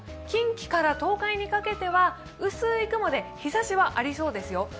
近畿から東海にかけては薄い雲で日ざしはありそうですよ。